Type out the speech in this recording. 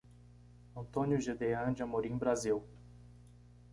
Antônio Jedean de Amorim Brasil